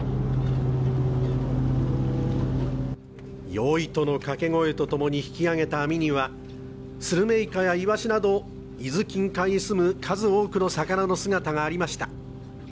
「よいと」の掛け声とともに引き上げた網にはスルメイカやイワシなど伊豆近海にすむ数多くの魚の姿がありました。